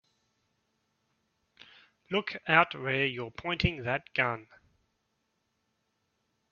Look out where you're pointing that gun!